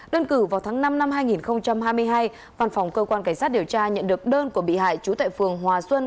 đơn cử vào tháng năm năm hai nghìn hai mươi hai văn phòng cơ quan cảnh sát điều tra nhận được đơn của bị hại trú tại phường hòa xuân